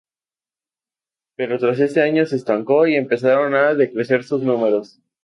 Pero tras este año se estancó y empezaron a decrecer sus números.